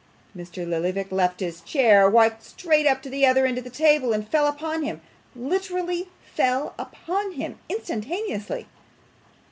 Mr. Lillyvick left his chair, walked straight up to the other end of the table, and fell upon him literally fell upon him instantaneously.